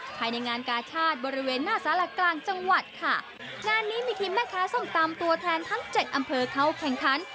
ภายในงานกาชาติบริเวณหน้าสารกลางจังหวัดค่ะงานนี้มีทีมแม่ค้าส้มตำตัวแทนทั้งเจ็ดอำเภอเข้าแข่งขัน